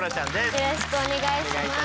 よろしくお願いします。